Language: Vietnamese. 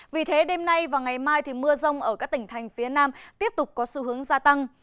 vì thế đêm nay và ngày mai mưa rông ở các tỉnh thành phía nam tiếp tục có xu hướng gia tăng